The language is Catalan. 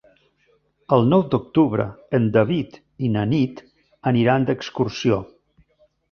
El nou d'octubre en David i na Nit aniran d'excursió.